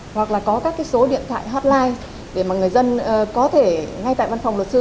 hoặc là có các cái số điện thoại hotline để mà người dân có thể ngay tại văn phòng luật sư